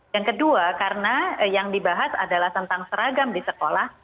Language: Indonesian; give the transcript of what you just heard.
yang kedua karena yang dibahas adalah tentang seragam di sekolah